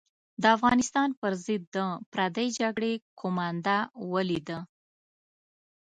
د افغانستان پر ضد د پردۍ جګړې قومانده ولیده.